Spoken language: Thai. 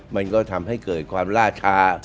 มันก็ทำให้เกิดความล่าชา